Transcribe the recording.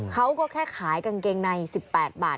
เขาก็แค่ขายกางเกงใน๑๘บาท